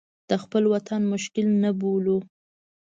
د خپل وطن مشکل نه بولو.